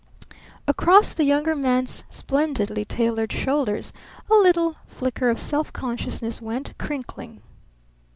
Across the Younger Man's splendidly tailored shoulders a little flicker of self consciousness went crinkling.